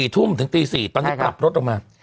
๔ทุ่มที่๓ตอนนี้ปรับลดต่อมา